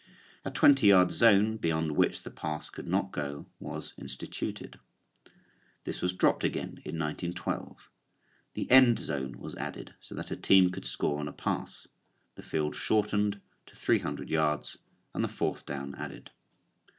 A twenty yard zone beyond which the pass could not go was instituted. This was dropped again in 1912, the end zone was added so that a team could score on a pass, the field shortened to three hundred yards and the fourth down added.